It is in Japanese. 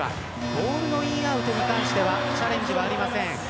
ボールのインアウトに関してはチャレンジがありません。